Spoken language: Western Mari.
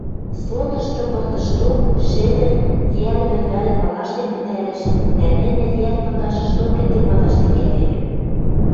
Сотышты выртышток Шӹдӹр йӓр вӹлвӓлӹм ыражтен пӹтӓрӹш, дӓ нӹнӹ йӓр пындашышток ӹнде мадаш тӹнгӓлевӹ.